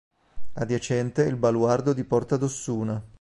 Adiacente è il baluardo di Porta d'Ossuna.